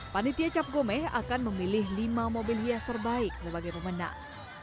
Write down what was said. panitia cap gome akan memilih lima mobil hias terbaik sebagai pemenang